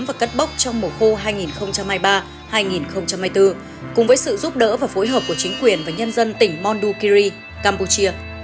và cất bốc trong mùa khô hai nghìn hai mươi ba hai nghìn hai mươi bốn cùng với sự giúp đỡ và phối hợp của chính quyền và nhân dân tỉnh mondukiri campuchia